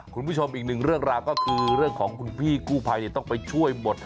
คุณผู้ชมอีกหนึ่งเรื่องราวก็คือเรื่องของคุณพี่กู้ภัยต้องไปช่วยหมด